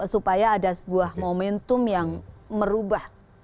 supaya ada sebuah momentum yang merubah